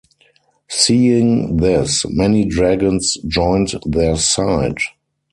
Seeing this, many dragons joined their side.